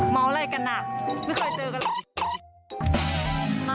มองอะไรกันอ่ะไม่ค่อยเจอกันอ่ะ